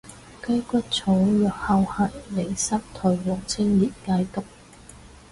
雞骨草藥效係利濕退黃清熱解毒